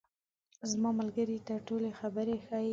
زما ملګري ته ټولې خبرې ښیې.